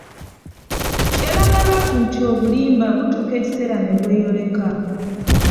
Kyeraga lwatu nti obulimba butuuka ekiseera ne bweyoleka.